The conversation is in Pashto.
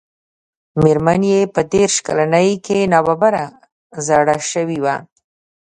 مېرمن يې په دېرش کلنۍ کې ناببره زړه شوې وه.